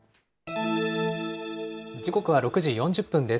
時刻は６時４０分です。